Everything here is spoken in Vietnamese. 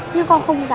nhưng con không dám